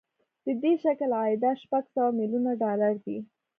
د دې تشکیل عایدات شپږ سوه میلیونه ډالر دي